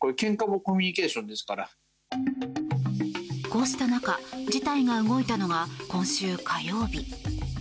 こうした中事態が動いたのは今週火曜日。